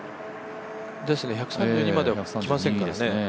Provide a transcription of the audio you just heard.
ですね、１３２までは来ませんからね。